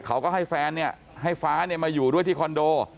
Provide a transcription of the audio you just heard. เขาก็ให้แฟนเนี่ยให้ฟ้าเนี่ยมาอยู่ด้วยที่คอนโด